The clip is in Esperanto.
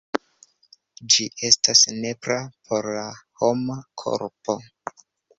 Ĝi estas nepra por la homa korpo.